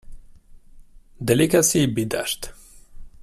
Delicacy be dashed.